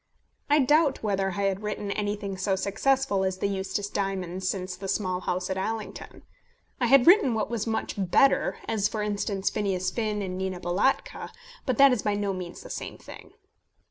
I doubt whether I had written anything so successful as The Eustace Diamonds since The Small House at Allington. I had written what was much better, as, for instance, Phineas Finn and Nina Balatka; but that is by no means the same thing.